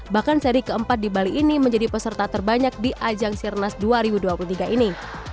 bahkan seri keempat di bali ini menjadi peserta terbanyak di ajang sirnas dua ribu dua puluh tiga ini